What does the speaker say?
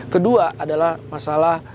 kedua adalah masalah